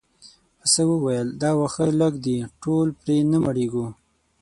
پسه وویل دا واښه لږ دي ټول پرې نه مړیږو.